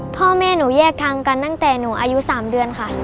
พ่อแม่หนูแยกทางกันตั้งแต่หนูอายุ๓เดือนค่ะ